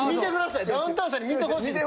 ダウンタウンさんに見てほしいんで。